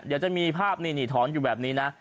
เดี๋ยวจะมีภาพนี่ถอนอยู่แบบนี้นะ